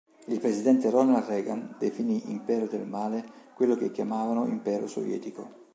Il presidente Ronald Reagan definì Impero del male quello che chiamavano Impero Sovietico.